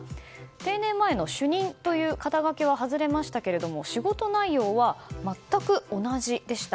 定年前の主任という肩書きは外れましたが仕事内容は全く同じでした。